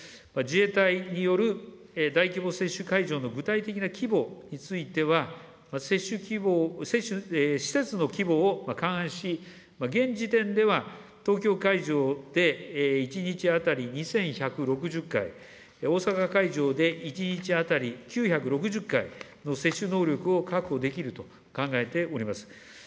自衛隊による大規模接種会場の具体的な規模については、施設の規模を勘案し、現時点では、東京会場で１日当たり２１６０回、大阪会場で１日当たり９６０回の接種能力を確保できると考えております。